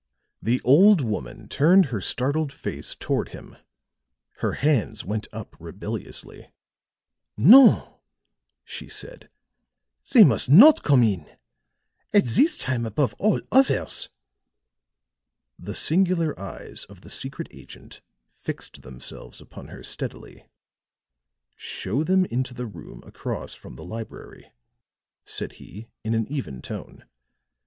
The old woman turned her startled face toward him; her hands went up rebelliously. "No," she said. "They must not come in at this time above all others." The singular eyes of the secret agent fixed themselves upon her steadily. "Show them into the room across from the library," said he in an even tone.